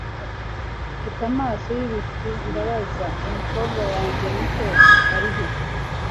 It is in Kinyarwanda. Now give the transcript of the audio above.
mfite amaso yibicu ndabaza, umukobwa wanjye muto arihe